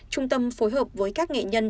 trung tâm phối hợp với các nghệ nhân